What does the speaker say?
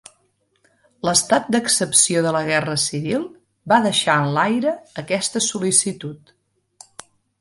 L'estat d'excepció de la Guerra Civil va deixar en l'aire aquesta sol·licitud.